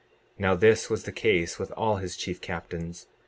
59:12 Now this was the case with all his chief captains.